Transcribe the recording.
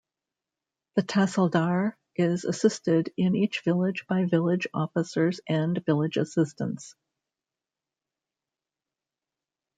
The Tahsildar is assisted in each village by village officers and village assistants.